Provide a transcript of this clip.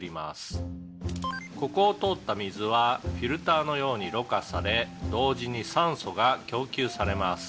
「ここを通った水はフィルターのようにろ過され同時に酸素が供給されます」